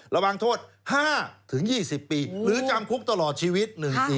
ระวังโทษ๕๒๐ปีหรือจำคุกตลอดชีวิต๑ปี